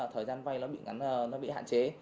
thời gian vay bị hạn chế